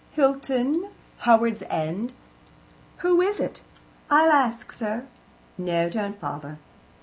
Hilton. Howards End. Who is it?" "I'll ask, sir." "No, don't bother."